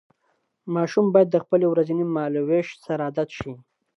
ماشوم باید د خپل ورځني مهالوېش سره عادت شي.